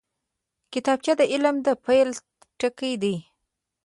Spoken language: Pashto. کتابچه د علم د پیل ټکی دی